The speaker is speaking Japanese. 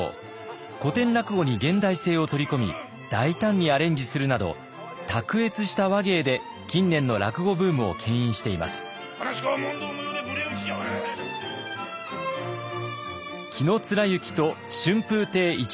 古典落語に現代性を取り込み大胆にアレンジするなど卓越した話芸で近年の紀貫之と春風亭一之輔さん。